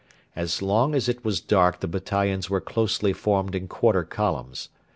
As long as it was dark the battalions were closely formed in quarter columns.